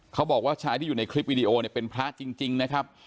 เขาบอกว่าชายที่อยู่ในคลิปวิดีโอเนี่ยเป็นพระจริงนะครับ